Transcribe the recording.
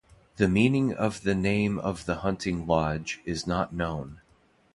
The meaning of the name of the hunting lodge is not known.